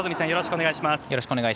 よろしくお願いします。